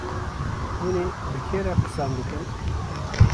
hûnê bi kê re qisan bikin.